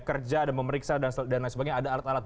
kerja ada memeriksa dan lain sebagainya ada alat alat